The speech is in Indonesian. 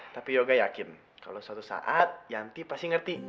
tapi yoga yakin kalau suatu saat yanti pasti ngerti